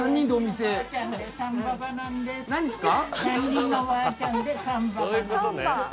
何ですか？